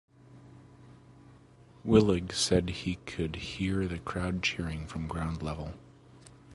Willig said he could hear the crowd cheering from ground level.